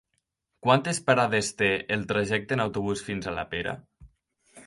Quantes parades té el trajecte en autobús fins a la Pera?